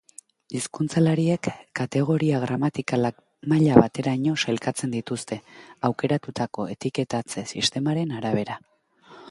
Hizkuntzalariek kategoria gramatikalak maila bateraino sailkatzen dituzte, aukeratutako etiketatze-sistemaren arabera.